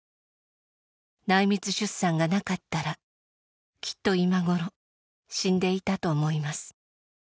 「内密出産がなかったらきっと今ごろ死んでいたと思います」